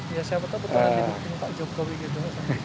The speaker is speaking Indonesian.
ya siapa tahu betul betul pak jokowi gitu